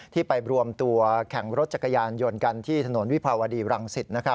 ไปรวมตัวแข่งรถจักรยานยนต์กันที่ถนนวิภาวดีรังสิต